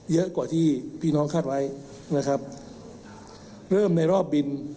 เยอะกว่าที่พี่น้องคาดไว้นะครับเริ่มในรอบบิน